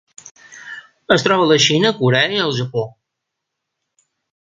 Es troba a la Xina, Corea i el Japó.